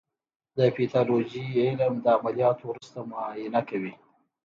د پیتالوژي علم د عملیاتو وروسته معاینه کوي.